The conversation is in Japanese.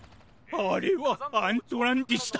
あれはアントランティスだ。